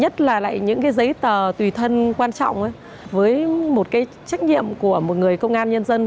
tấy tờ tùy thân quan trọng với một cái trách nhiệm của một người công an nhân dân